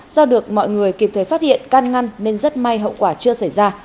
do được mọi người kịp thời phát hiện can ngăn nên rất may hậu quả chưa xảy ra